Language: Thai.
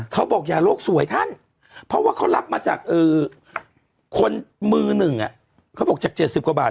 เขาบอกอย่าโลกสวยท่านเพราะว่าเขารับมาจากคนมือหนึ่งเขาบอกจาก๗๐กว่าบาท